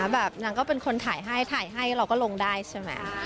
แบบนางก็เป็นคนถ่ายให้ถ่ายให้เราก็ลงได้ใช่ไหม